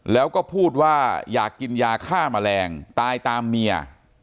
แล้วก็พูดว่าอยากกินยาฆ่าแมลงตายตามเมีย